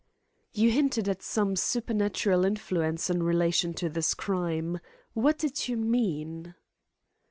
"You hinted at some supernatural influence in relation to this crime. What did you mean?"